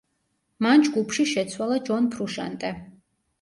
მან ჯგუფში შეცვალა ჯონ ფრუშანტე.